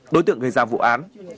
đối tượng gây ra vụ án